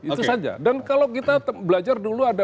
itu saja dan kalau kita belajar dulu ada